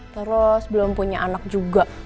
terus belum punya anak juga